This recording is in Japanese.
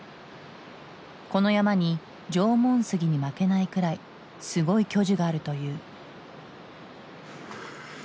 この山に縄文杉に負けないくらいすごい巨樹があるという。